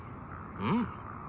うん。